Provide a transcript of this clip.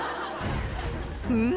うん？